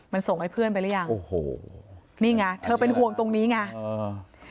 มันส่งให้เพื่อนไปหรือยังโอ้โหนี่ไงเธอเป็นห่วงตรงนี้ไงอ่า